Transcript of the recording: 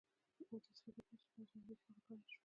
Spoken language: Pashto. او داسې فکر کېده چې دا تحریک خفه کړی شو.